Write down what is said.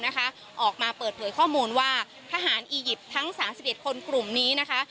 นะคะออกมาเปิดเปิดข้อมูลว่าทหารอียิปต์ทั้งสองสิบเอ็ดคลงกลุ่มนี้นะคะ